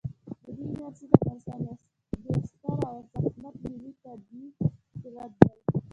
بادي انرژي د افغانستان یو ډېر ستر او ارزښتمن ملي طبعي ثروت دی.